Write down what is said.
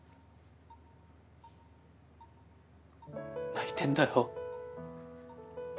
泣いてんだよ。